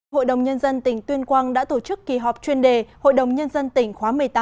hội đồng nhân dân tỉnh tuyên quang đã tổ chức kỳ họp chuyên đề hội đồng nhân dân tỉnh khóa một mươi tám